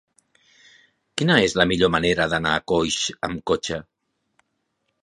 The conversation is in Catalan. Quina és la millor manera d'anar a Coix amb cotxe?